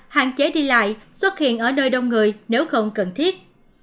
hạn chế đi lại xuất hiện ở nơi đông người nếu không cần thiết